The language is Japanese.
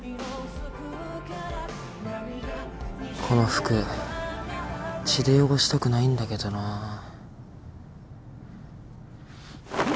この服血で汚したくないんだけどなぁ。